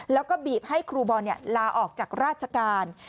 แล้วก็บีบให้ครูบอลลาออกจากราชการ